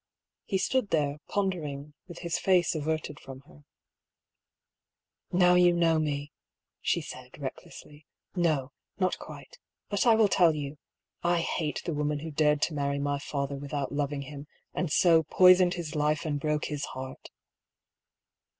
He stood there, pondering, with his face averted from her. " Now you know me !" she said, recklessly. " No — ^not quite. But I will tell you. I hate the woman who dared to marry my father without loving him, and so, poisoned his life and broke his heart